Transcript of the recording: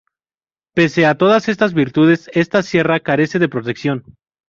Pese a todas estas virtudes, esta sierra carece de protección.